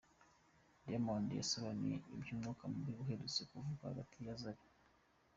Diamond yasobanuye iby’umwuka mubi uherutse kuvugwa hagati ye na Zari